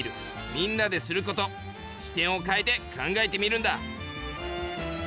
「みんなですること」視点を変えて考えてみるんだ。